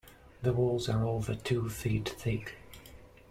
The walls are over two feet thick.